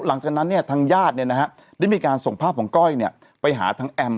หลังจากนั้นเนี่ยทางญาติได้มีการส่งภาพของก้อยไปหาทางแอม